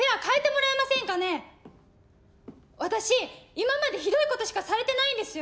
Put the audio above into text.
今までひどいことしかされてないんですよ。